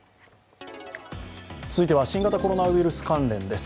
続いては新型コロナウイルス関連です。